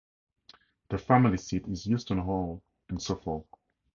The family seat is Euston Hall in Suffolk.